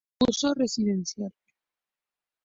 Uso: Residencial.